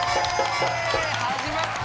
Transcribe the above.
始まった！